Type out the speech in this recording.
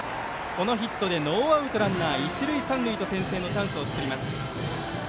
このヒットでノーアウト、ランナー、一塁三塁先制のチャンスを作ります。